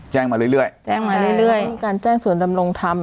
แจ้งมาเรื่อยเรื่อยแจ้งมาเรื่อยเรื่อยมีการแจ้งส่วนดำรงธรรม